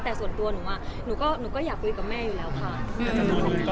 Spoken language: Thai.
แต่ส่วนตัวหนูหนูก็อยากคุยกับแม่อยู่แล้วค่ะ